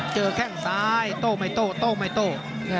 เจอแข้งซ้ายโต๊ะไม่โต๊ะโต๊ะไม่โต๊ะ